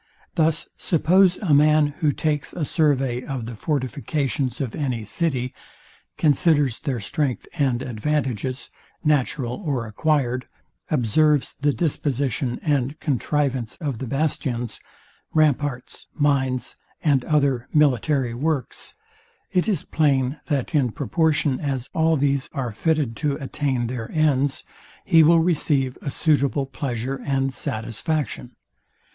Thus, suppose a man, who takes a survey of the fortifications of any city; considers their strength and advantages, natural or acquired; observes the disposition and contrivance of the bastions, ramparts, mines, and other military works; it is plain, that in proportion as all these are fitted to attain their ends he will receive a suitable pleasure and satisfaction.